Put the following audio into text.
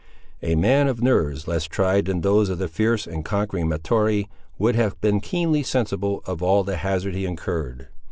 A man of nerves less tried than those of the fierce and conquering Mahtoree would have been keenly sensible of all the hazard he incurred.